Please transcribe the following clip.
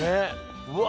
うわ！